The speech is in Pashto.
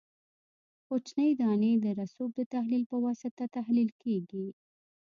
کوچنۍ دانې د رسوب د تحلیل په واسطه تحلیل کیږي